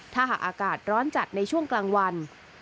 ถ้าหากอากาศร้อนจัดในช่วงกลางวัน